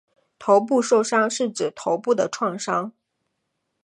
头部受伤是指头部的创伤。